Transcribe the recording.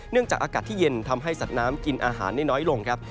จากอากาศที่เย็นทำให้สัตว์น้ำกินอาหารได้น้อยลงครับ